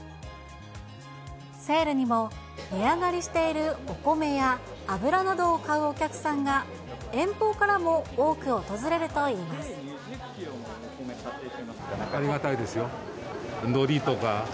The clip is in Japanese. セールにも、値上がりしているお米や油などを買うお客さんが遠方からも多く訪ありがたいですよ。